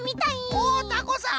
おおタコさん！